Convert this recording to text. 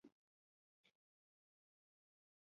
黄晋发是美湫省平大县人。